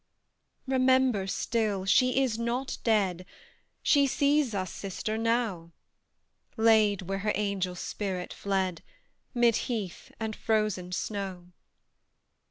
Remember still, she is not dead; She sees us, sister, now; Laid, where her angel spirit fled, 'Mid heath and frozen snow.